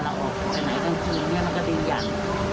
เนี่ยมันก็ดีอีกอย่าง